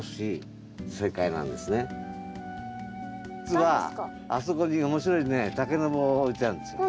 実はあそこに面白いね竹の棒を置いてあるんですよ。